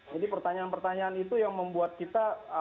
jadi pertanyaan pertanyaan itu yang membuat kita